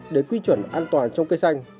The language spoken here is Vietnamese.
để quy chuẩn an toàn trong cây xanh